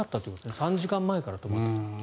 ３時間前から止まっていたと。